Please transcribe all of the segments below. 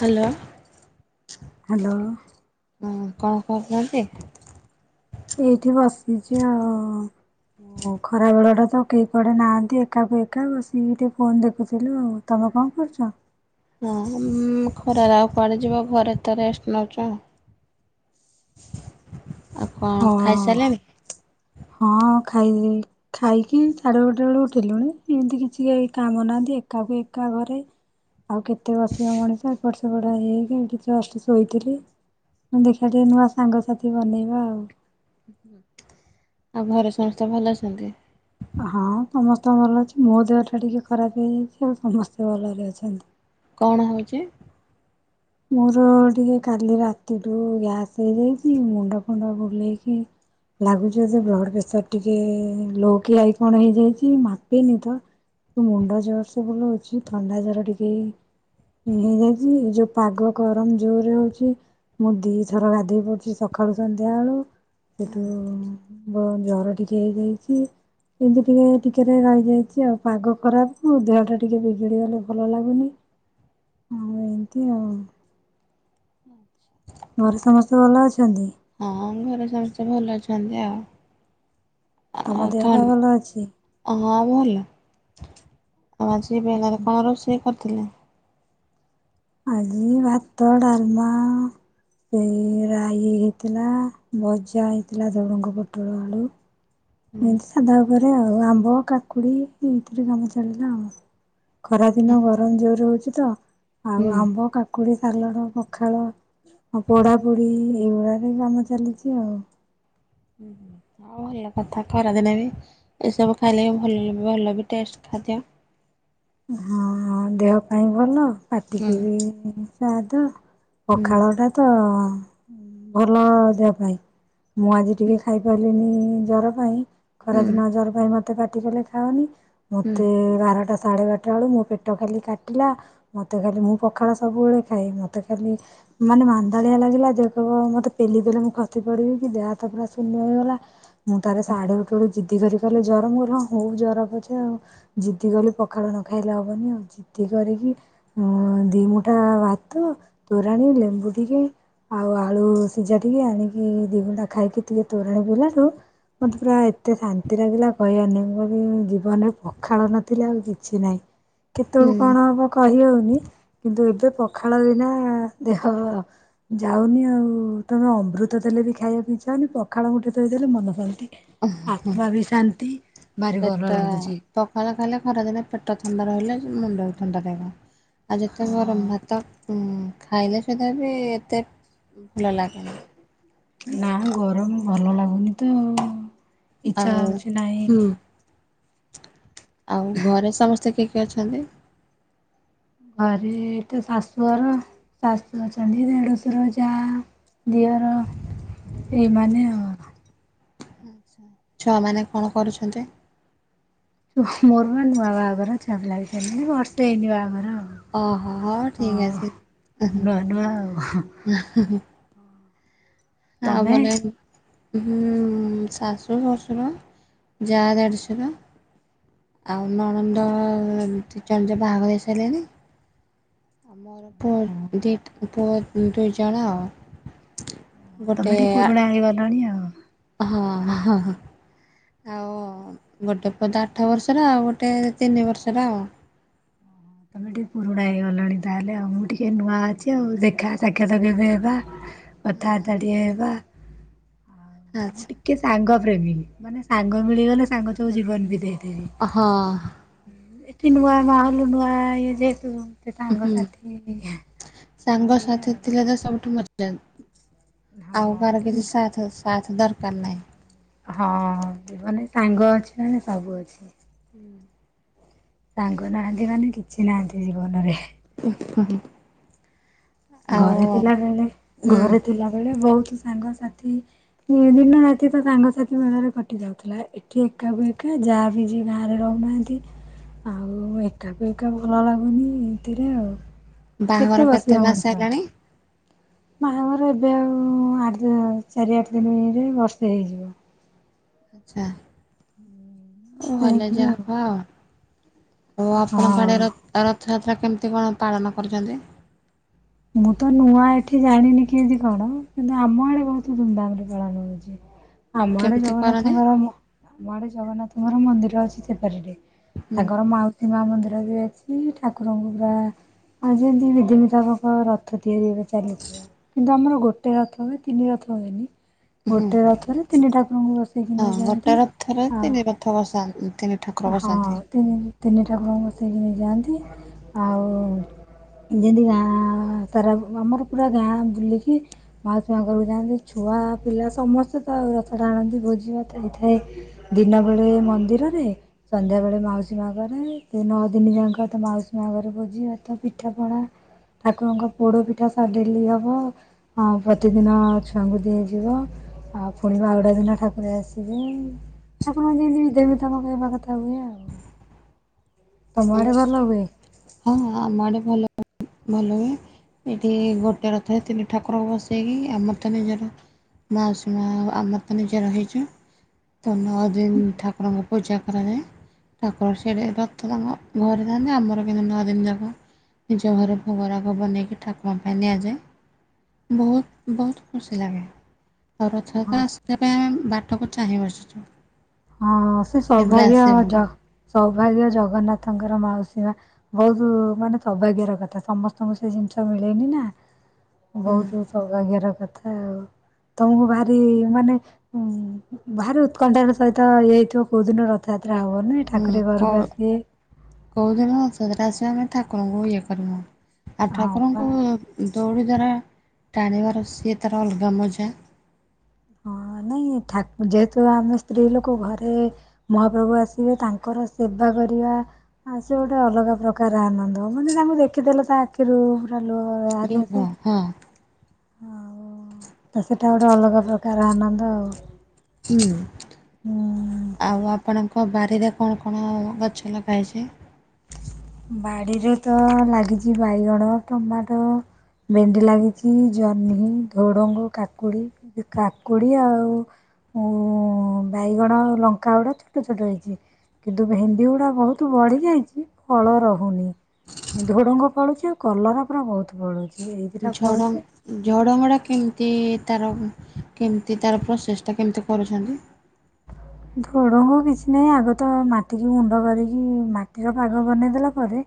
Hello hello ହଁ କଣ କରହୁଛନ୍ତି ଏଇଠି ବସିଛି ଆଉ ଓ ଖରା ବେଳ ଟା ତ କେହି କୁଆଡେ ନାହାନ୍ତି ଏକାକୁ ଏକା ବସିକି ଟିକେ ଫୋନ ଦେଖୁଥିଲୁ ଆଉ ତମ ଆ କ କରଛ ହଁ ଖରାରେ ଆଉ କୁଆଡ଼େ ଯିବ ଘରେ ତ ରେଷ୍ଟ ନେଉଛ ଆ ହଁ ଖାଇସାରିଲେଣି? ହଁ ଖାଇ ଖାଇକି ଚ଼େ ଗୋଟେ ବେଳକୁ ଉଠିଲୁଣି ଏମିତି କିଛି କାମ ନାହାନ୍ତି ଏକାକୁ ଏକା ଘରେ ଆଉ କେତେ ବସିବ ମଣିଷ ଏପ ସେପଡ ହେଇକି ଶୋଇଥିଲି ମୁଁ ଦେଖିବା ଟିକେ ନୂଆ ସାଙ୍ଗସାଥି ବନେଇବା ଆଉ ଆଉ ଘରେ ସମସ୍ତେ ଭଲ ଅଛନ୍ତି ହଁ ସମସ୍ତେଙ୍କ ଭଲ ଅଛି ମୋ ଦେହ ଟା ଟିକେ ଖରାପ ହେଇଯାଇଛି ଆଉ ସମସ୍ତେ ଭଲରେ ଅଛନ୍ତି କଣ ହଉଛି ମୋର ଟିକେ କାଲି ରାତିଠୁ ଗ୍ୟାସ ହେଇଯାଇଛି ମୁଣ୍ଡ ଫୁଣ୍ଡ ବୁଲେଇକି ଲାଗୁଛ ଯେ ବ୍ଲଡ ପ୍ରେସର ଟିକେ ଲୋ କି ଆଇ କଣ ହେଇଯାଇଛି ମାପେନି ତ ମୁଣ୍ଡ ଜର ସବୁଲ ଅଛି ଥଣ୍ଡା ଜର ଟିକେ ହେଇଯାଇଛି ଏଇ ଯୋଉ ପାଗ ଗରମ ଜୋରରେ ହଉଛି ମୁଁ ଦିଇଥର ଗାଧୋଇ ପଡୁଛି ସକାଳୁ ସନ୍ଧ୍ୟାବେଳୁ ହଁ। ସେଠୁ ଜର ଟିକେ ହେଇଯାଇଛି ଏମିତି ଟିକେ ଟିକେ ରହିଯାଇଛି ଆଉ ପାଗ ଖରାପ ଦେହ ଟା ଟିକେ ବିଗିଡି ଗଲେ ଭଲ ଲାଗୁନି କ ଭଲ ଅଛନ୍ତି? ହଁ ଆମ ଘରେ ସମସ୍ତେ ଭଲ ଅଛନ୍ତି ଆାଅ ତମ ଦେହ ପା ଭଲ ଅଛି ହଁ ଭଲ ଆ ଆଜି ବେଲାରେ କଣ ରହୁଷ କରିଥିଲେ ଆଜି ଭାତ ଡାଲମା ସେ ରାଇ ହେଇଥିଲା ଭଜା ହେଇଥିଲା ଧଡୁଙ୍ଗ ପୋଟଳ ବେଳୁ ଏମତି ସାଧା ଉପରେ ଆଉ ଆମ୍ବ କାକୁଡି ଏଇଥିରେ କାମ ଚାଳିଲା ଆଉ ଖରା ଦିନ ଗରମ ଜୋରେ ହଉଛି ତ ଆଉ ହୁଁ ଆମ୍ବ କା କୁକୁଡ଼ି ଚାଲଣ ପଖାଳ ଆଉ ପଢାପଢି ଏଇଗୁଡାରେ କାମ ଚାଲିଛି ଆଉ ହଉ ଭଲ କଥା ଖରାଦିନେ ବି ଏସବୁ ଖାଇଲେ ବି ଭଲ ଭଲ ବି ଟଷ୍ଟ ଖାଦ୍ୟ ହଁ ଦେହ ପାଇଁ ଭଲ ହୁଁ ପାଟିକି ବି ସାଦ ହୁଁ ପଖାଳ ଟା ତ ଭଲ ଦେହ ପାଇଁ ମୁଁ ଆଜି ଟିକେ ଖାଇପାରିଲିନି ଜ୍ର ପାଇଁ ହୁଁ ଖରାଦିନ ଜର ପାଇଁ ମୋତେ ପାଟି କଲେ ଖାାଉନି ହୁଁ ମତେ ବାରଟା ସାଢ଼େ ବାରଟା ବେୁ ମୋ ପେଟ ଖାଲି କାଟିଲା ମୋତେ ଖାଲି ମୁଁ ପଖାଳ ସବୁବେଳେ ଖାଏ ମୋତେ ଖାଲି ମାନେ ମାନ୍ଦାଳିଆ ଲାଗିଲା ଦେ କହ ମତେ ପେଲି ବେଲେ ମୁଁ ଖସି ପଡିବି କି ଦେହ ତ ପୁରା ଶୂନ୍ୟ ହେଇଗଲା ମୁଁ ତାର ଶାଢୀ ଉଠେ ବଠୁ ଜିଦି କହଲି ଜରମ ଗ ହଁ ହଉ ଜର ଅଛେ ଆଉ ଜିଦି କଲି ପଖାଳୁ ନ ଖାଇଲେ ହବନି ଆଉ ଚିତି କରିକି ଦିମଠା ଭାତ ତୋରାଣ ିଲେମ୍ବୁଧିକେ ଆଉ ଆଳୁ ସିଝା ଟିକେ ଆଣିକି ଦି ଗୁଣ୍ଡା ଖାଇକି ଟିକେ ତୋରାଣ ପିଇିଲାଠୁ ମତେ ପୁରା ଏତେ ଶାନ୍ତି ଲାଗିଲା କହିବନି ବୋଲି ଜୀବନରେ ପଖାଳ ନଥିଲା ଆଉ କିଛି କିଛି ନାଇଁ କେତେବେଳ ହୁଁ। କଣ ହବ କହିହଉନି କିନ୍ତୁ ଏବେ ପଖା ପଖାଳ ବିନା ଦେହ ଯାଉନି ଆଉ ତମେ ଅମୃତ ଦେଲେ ବି ଖାଇବାକୁ ଇଛା। ପଖାଳ ଗୁଟେ ଥୋଇଦେଲେ ଦେଲେ ମନ ଶାନ୍ତି। ଆତ୍ମା ବି ଶାନ୍ତି ଭାରି ଭଲ ପେଟ ଲାଗୁଛି ପଖଳ ଖାଇଲେ ଖରାଦିନ ପେଟ ଥଣ୍ଡା ରହିଲେ ମୁଣ୍ଡ ଥଣ୍ଡା ରହିବ। ଆଉ ଯେତେ ଗରମ ହଁ ଭାତ ହୁଁ ଖାଇଲେ ସୁଧା ବି ଏତେ ଭଲ ଲାଗେନି ନା ଗରମ ଭଲ ଲାଗୁନି ତ ଆଉ ଇଚ୍ଛା ଆଉ ହଉଛି ନାହିଁ। ହୁଁ ଆଉ ଘରେ ସମସ୍ତେ କିଏ କିଏ ଅଛନ୍ତି? ଘରେ ତ ଶାଶହର ଶାଶୁ ଅଛନ୍ତି ଦେଢଶର ଯା ଦିଅର ଏଇମାନେ ଆ ଛୁଆମାନେ କଣ କରୁଛନ୍ତି? ୁ ମୋର ବା ନୂଆ ବାହାଘର ଛୁଆ ପିଲା କିଛି ହେଇନି ବର୍ଷେ ହେଇନି ବାହାଘର ଆଉ। ଓହୋ ହଉ ଠିକ ଆଉ ଅଛି। ନୂଆ ନୂଆ ଆଉ ଆଉ ତମେ ଭଲ! ହ ଶାଶୁ ଶଶୁର, ଯା, ଦେଦୁଶର ଆଉ ନଣନ୍ଦ ଏମିତି ବାହାଘର ହେଇସାରିଲେଣିି। ଆ ମୋର ଡଟ୍ ବଥ ଦୁ ଜଣା ଆଉ ଗୋଟେ ତମେ ଟିକେ ଆ ପୁରୁଣା ହେଇଗାରଲାଣି ଆଉ। ହଁ ହଁ ଆଉ ଗୋଟେ ପୁଅତ ଆଠ ବର୍ଷର ଆଉ ଗୋଟେ ତିନି ବର୍ଷର ଆଉ। ହଁ ତମେ ଟିକେ ପୁରୁଣା ହେଇଗଲାଣି ତାହେଲେ ଆଉ ମୁଁ ଟିକେ ନୂଆ ଅଛି ଆଉ ଦେଖା ସାକ୍ଷାତ କେବେ ହେବା। ଏବେ ହେବା। କଥା ବାର୍ତ୍ତା ଟିକେ ହେବା। ଆଚ୍ଛା ଟିକେ ସାଙ୍ଗ ପ୍ରେମୀୀ ମାନେ ସାଙ୍ଗ ମିଳଗଲେ ସାଙ୍ଗ ଠୁ ଜୀବନ ବି ହଁ! କି ନୂଆ ବାହା ହେଲୁ ନୂଆ ଇଏ ଯେହେତୁ ସେ ସାଙ୍ଗ ହୁଁ ସାଥି ଟିକେ ଏଇଆ ସାଙ୍ଗସାଥି ଆଉ। ଥିଲେ ତ ସବୁଠୁ ହଁ ଆଉ କାହାର କିଛି ଏଟା ସାଥ ସାଥ ଦରକାର ନାହିଁ। ହଁ ଜୀବନରେ ସାଙ୍ଗ ଅଛି ମାନେ ସବୁ ଅଛି। ସାଙ୍ଗ ନାହାନ୍ତି ମାନେ କିଛି ନାହାନ୍ତି ଜୀବନରେ। [unintelligible] ଆଉ ଘରେ ଥିଲା ବେଳେ ହୁଁ ଘରେ ଥିଲାବେଳେ ବହୁତ ସାଙ୍ଗସାଥି ଦିନ ରାତି ତ ସାଙ୍ଗସାଥି ମେଳରେ କଟି ଯାଉଥିଲା ଏଠି ଏକା ଏକା। ଯାହା ବି ଯି ଗାଁରେ ରହୁନାହାଁନ୍ତି। ଆଉ ଏକାକୁ ଏକା ଭଲ ଲାଗୁନି ଏଥିରେ ଆଉ। ବାହାଘର ବସିବ କେତେ ମଣିଷ। ମାସ ହେଲାଣି? ବାହାଘର ଏବେ ଆଉ ଆଠ ଚାରି ଆଠ ଦିନରେ ବର୍ଷେ ହେଇଯିବ। ଆଛା ବର୍ଷେ ଭଲ ହେଇଯିବ ଯା ପାଆ ଆଉ ଆଊ। ଆଉ ଆପଣଙ୍କ ଆଡେ ହଁ। ର ରଥଯାତ୍ରା କେମିତି କଣ ପାଳନ କରୁଛନ୍ତି? ମୁଁ ତ ନୂଆ ଏଠି ଜାଣିନି କେମିତି କଣ କିନ୍ତୁ ଆମ ଆଡେ ବହୁତ ଧୁମଧାମ ରେ ପାଳନ ହଉଛି। ଆମ ଆଡେ କେମିତି କରନ୍ତି? ଜଗନ୍ନାଥଙ୍କର ଆମ ଆଡେ ଜଗନ୍ନାଥଙ୍କର ମନ୍ଦିର ଅଛି ସେପାରିରେ। ହୁଁ ତାଙ୍କର ମାଉସୀ ମା ମନ୍ଦିର ବି ଅଛି ଠାକୁରଙ୍କୁ ପୁରା ଯେମତି ବିଧ ବିିଧା ହଁ ରଥ ତିଆରି ଏବେ ଚାଲିଥିବ। କିନ୍ତୁ ଆମର ଗୋଟେ ରଥ ହୁଏ ତିନି ରଥ ହୁଏନି। ହୁଁ ଗୋଟେ ରଥରେ ତିନି ଠାକୁରଙ୍କୁ ବସେଇକି ହଁ ଗୋଟେ ନେଇଯାଆନ୍ତି ରଥରେ ଆଉ। ତିନି ରଥ ବସାନ୍ତି ତିନି ଠାକୁର ହଁ ବସାନ୍ତି। ତିନି ତିନି ଠାକୁରଙ୍କୁ ବସେଇକ ନେଇ ଯାଆନ୍ତି ଆଉ ଯେମିତି ଗାଁ ସାରା ଆମର ପୁରା ଗାଁ ବୁଲିକି ମାଅସୀସିଆ ଘରକୁ ଯାଆନ୍ତି ଛୁଆ ଛୁଆ ପିଲା ସମସ୍ତେ ତ ଆଉ ରଥଟା ଆଣନ୍ତି ଭୋଜି ଭାତ ହେଇଥାଏ ଦିନବେଳେ ମନ୍ଦିରରେ ସନ୍ଧ୍ୟା ବେଳେ ମାଉସୀ ମା ଘରେ ସେ ନଅ ଦିନ ଯାକ ତ ମାଉସୀ ମା ଘରେ ଭୋଜିିବା ତ ପିଠା ପଣା ଠାକୁରଙ୍କ ପୋଡ ପିଠା ସ ଡେଲି ହବ ଆ ପ୍ରତିଦିନ ଛୁଆଙ୍କୁ ଦିଆଯିବ। ଆଉ ପୁଣିିବା ଆଉଟା ଦିନ ଠାକୁର ଆସିବେ ଠାକୁରଙ୍କ ଯେମିତି ବିଧି ମୁତାବକ ହେବା କଥା। ହୁଏ ଆଉ। ତମ ଆଡ଼େ ଭଲ ହୁଏ ହଁ ଆମର ଭଲ ଭଲ ହୁଏ। ଏଇଠି ଗୋଟିଏ ରଥରେ ତିନି ଠାକୁରକୁ ବସେଇକି ଆମର ତ ନିଜର ମାଉସୀ ମା ଆମ ତ ନିଜେ ରହିଚୁ। ତ ନଅ ଦିନ ଠାକୁରଙ୍କୁ ପୂଜା କରାଯାଏ। ତାପରେ ସେଠି ରଥ କାମ ଘରେ ଥାନ୍ତି ଆମର କିନ୍ତୁ ନଅ ଦିନ ଯାଙ୍କ ନିଜ ଘରେ ଭୋଗରାକୁ ବନେଇକି ଠାକୁମା ପାଇଁ ନିଆଯାଏ। ବହୁତ ବହୁତ ଖୁସି ଲାଗେ। ଆଉ ରଥଯାତ୍ର ହଁ ଆସିବା ପାଇଁ ଆମେ ବାଟକୁ ଚାହିଁବସିଛୁ। ହଁ ସେ ସୌଭାଗ୍ୟ ଜ୍ ସୌଭାଗ୍ୟ ଜଗନ୍ନାଥ ତାଙ୍କର ମାଉସୀ ମା ବହୁତ ମାନେ ସୌଭାଗ୍ୟର କଥା ସମସ୍ତଙ୍କୁ ସେ ଜିନିଷ ମିଳେନି ନା। ହୁଁ ବହୁତ ସୌଭାଗ୍ୟର କ ଥା ଆଉ ତମକୁ ଭାରି ମାନେ ଉ ଭାରି ଉତ୍କଣ୍ଠାର ସହିତ ତ ଇଏଇଥିବ କଉ ଦିନ ରଥଜା ହୁଁ କଉ କୋଉଦିନ ରଥରାତ୍ର ଆସିବ ଆମେ ଠାକୁରଙ୍କୁ ଇଏ କରିନୁ ଆଉ ହଁ ପା। ଠାକୁରଙ୍କୁ ଦୌଡ଼ି ଦ୍ଵାରା ଟାଣିିବାର ସିଏ ତାର ଅଲଗା ମଜା। ହଁ ନାଇଁ ଠା ଯେହେତୁ ଆମେ ସ୍ତ୍ରୀ ଲୋକ ଘରେ ମହାପ୍ରଭୁ ଆସିବେ ତାଙ୍କର ସେବା କରିବା ସେ ଗୋଟେ ଅଲଗା ଅଲଗା ପ୍ରକାର ଆନନ୍ଦ ମାନେ ତାଙ୍କୁ ଦେଖିଦେଲ ତା ଆଖିରୁ ଲୁହ ବାହାରି ଲୁଭ ଆସେ। ହଁ ଆଉ ତ ସେଇଟା ଗୋଟେ ଅଲଗା ପ୍ରକାର ଆନନ୍ଦ ଆଉ। ହୁଁ ହୁଁ। ଆଉ ଆପଣଙ୍କ ବାରିରେ କଣ କଣ ଗଛ ଲଗା ହେଉଛି? ବାଡ଼ିରେ ତ ଲାଗିଛି ବାଇଗଣ, ଟମାଟୋ ଭେଣ୍ଡି ଲାଗିଛି, ଜହ୍ନି, ଝୋଡଙ୍ଗ, କାକୁଡି, କାକୁଡି ଆଉ ଉ ବାଇଗଣ, ଲଙ୍କା ଗୁଡା ଛୋଟ ଛୋଟ ହେଇଛି। କିନ୍ତୁ ଭେଣ୍ଡି ଗୁଡା ବହୁତ ବଢି ଯାଇଛି। କି ଫଳ ରହୁନି ଝୋଡ଼ଙ୍ଗ ଫଳୁଛି ଆଉ କଲର ପୁରା ବହୁତ ପଳୁଛି। ଝ ଝଡ଼ଙ୍ଗଡ଼ା କେମିତି ତାର କେମିତି ତାର ପ୍ରୋସେଷ୍ଟଟା କେମିତି କରୁଛନ୍ତି? ଝୁଡ଼ଙ୍ଗ କିଛି ନାହିଁ ଆଗ ତ ମାଟିକୁି ମୁଣ୍ଡ କରିକି ମାଟିର ପାଗ ବନେଇ ଦେଲା ପରେ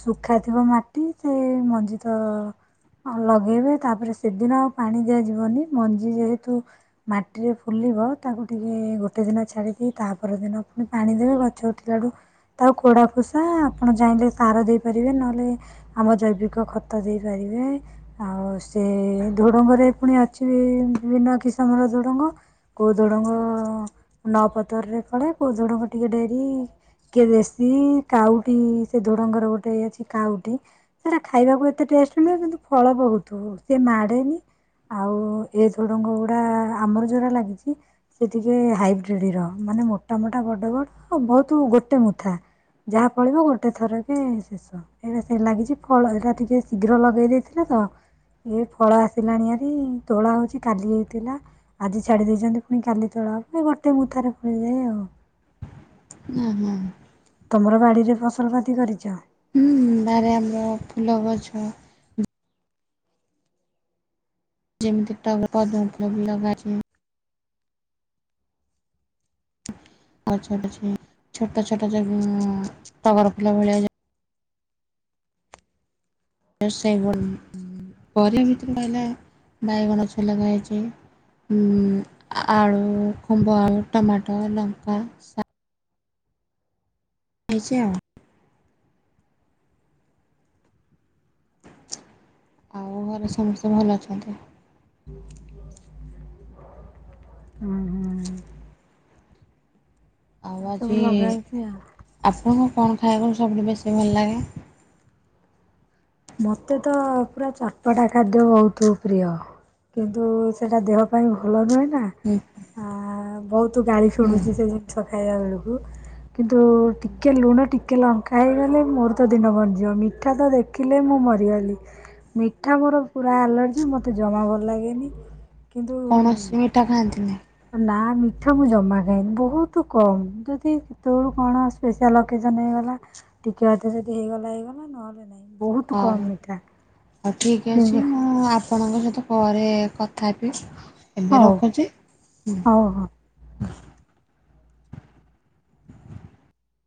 ଶୁଖା ଥିବ ମାଟି ସେ ମଞ୍ଜି ତ ଲଗେଇବେ ତାପରେ ସେଦିନ ଆଉ ପାଣି ଦିଆଯିବନି ମଞ୍ଜି ଯେହେତୁ ମାଟିରେ ଫୁଲି ଥିବ ତାକୁ ଟିକେ ଗ ଗୋଟେ ଦିନ ଛାଡିକି ତା ପର ଦିନ ଆପ ପାଣି ଦେବେ ଗଛ ଉଠିଲା ବଳୁ ତାକୁ କୋଡା ଫୁସା ଆପଣ ଯାଇ ସାର ଦେଇପାରିବେ ନହେଲେ ଆମ ଜୈବିକ ଖତ ଦେଇପାରିବେ, ଆଉ ସେ ଢୁଡ଼ଙ୍ଗରେ ପୁଣି ଅଛି ବିଭିନ୍ନ କିସମର ଢୁଡ଼ୁଙ୍ଗ କେଉଁ ଢୁଡ଼ଙ୍ଗ ଅ ନ ପତର ରେ କଳେ କୋଉ ଜଣଙ୍କୁ ଟିକେ ଡେରି କିଏ ଦେଶୀ କାଉଟି ସେ ଧୋଡଙ୍ଗର ଗୋଟେ ଅଛି କାଉଟି ସେଟା ଖାଇବାକୁ ଏତେ ଟେ ଷ୍ଟ ନୁହେଁ କିନ୍ତୁ ଫଳ ବହୁତ ହ ସେ ମାଡେନି। ଆଉ ଏ ଝୁଡଙ୍ଗ ଗୁଡା ଆମର ଯୋଉଟା ଲାଗିଛି ସେ ଟିକେ ହାଇବ୍ରି ଡିର ମାନେ ମୋଟା ମୋଟା ବଡ ବଡ ବହୁତ ଗୋଟେ ମୁଥା। ଯାହା ଫଳିବ ଗୋଟେ ଥରକ ଶେଷ ଏଇଟା ସେ ଲାଗିଛି ଫଳ ଏଇଟା ଟିକେ ଶୀଘ୍ର ଲଗେଇ ଦେଇଥିଲା। ହ। ଏଇ ଫଳ ଆସିଲାଣି ଆରେ ତୋଳା ହଉଛି କାଲି ହେଇଥିଲା ଆଜି ଛାଡି ଦେଇଛନ୍ତି ପୁଣି କାଲି ତୋଳା ଗୋଟେ ମୁଥରେ ପଳିଯାଏ ଆଉ। ହୁଁ ହୁଁ। ତୁମର ବାଡ଼ିରେ ଫସଲପତି କରିଛ? ହୁଁ ବାରେ ଆମର ଫୁଲ ଗଛ ଯେମିତି ଟ ପଦ ଉପଲବ୍ଧି ଲଗାଛି। ଆଉ ଛୋଟ ଛି ଛୋଟ ଛୋଟ ଯ ଟଗର ଫୁଲ ଭଳିଆ ଯାଏ ସେ ପର ଭିତରେ ପାଇହଲେ ବାଇଗଣ ଗଛ ଲଗା ହୋଇଛି। ଉଁ ଆଳୁ, କମ୍ବ ଆଳୁ, ଟମାଟୋ, ଲଙ୍କ, ସା [unintelligible] ଆଉ। ଆଉ ଘରେ ସମସ୍ତେ ଭଲ ଅଛନ୍ତି? ହୁଁ ହୁଁ। ଆଉ ଏଇ ସବୁ ଆଜି ଲଗା ହେଇଛି ଆ ପ୍ ଆଉ ଆପଣଙ୍କୁ କଣ ଖାଇବାକୁଲେ ସବୁଠୁ ବେଶୀ ଭଲ ଲାଗେ? ମତେ ତ ପୁରା ଚଟପଟା ଖାଦ୍ୟ ବହୁତ ପ୍ରିୟ। କିନ୍ତୁ ସେଇଟା ଦେହ ପାଇଁ ଭଲ ନୁହେଁ। ନା ହୁଁ ଆ ବହୁତ ଗାଳି ହୁଁ ଶୁଣୁଛି ସେ ଜିନିଷ ଖାଇବା ବେଳକୁ। କିନ୍ତୁ ଟିକିଏ ଲୁଣ ଟିକିଏ ଲଙ୍କା ହେଇଗଲେ ମୋର ତ ଦିନ ବନିଯିବ ମିଠା ତ ଦେଖ ଖିଲେ ମୁଁ ମରିଗଲି ମିଠା ମୋର ପୁରା ଆଲର୍ଜି ମୋତେ ଜମା ଭଲ ଲାଗେନି। କିନ୍ତୁ କୌଣସି ମିଠା ଖାଆନ୍ତିନି ନା ମି ପିଠା ମୁଁ ଜମା ଖାଏନି ବହୁତ କମ୍ ଯଦି କେତେବେଳୁ କଣ ସ୍ପେଶାଆଲ ଅକେଜନ୍ ହେଇଗଲା। ଟିକେ ଅଧେ ଜଦି ହେଇଗଲା ହେଇଗଲା ନହେଲେ ନାଇଁ ହଉ ହଉ ଠିକ ଅଛି କିନ୍ତୁ ମୁଁ ଆପଣଙ୍କ ସ ପରେ କଥା ହେବି ଏବେ ହଉ ରଖୁଚି। ହଉ ହଉ